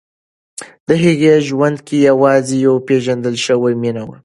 د هغې ژوند کې یوازې یوه پېژندل شوې مینه وه.